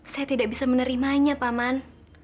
saya tidak bisa menerimanya paman